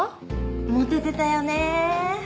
モテてたよね